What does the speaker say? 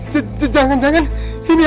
jangan jangan ini hantu beneran